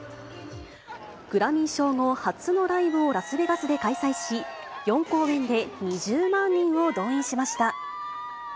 グラミー賞後初のライブをラスベガスで開催し、４公演で２０万人を動員しました。